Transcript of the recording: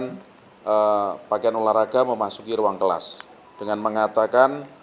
pada saat ini pakaian olahraga memasuki ruang kelas dengan mengatakan